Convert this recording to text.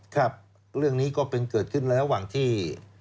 ครับเรื่องนี้ก็เป็นเกิดขึ้นระหว่างที่